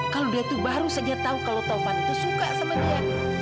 kalau dia tuh baru saja tahu kalau taufan itu suka sama dia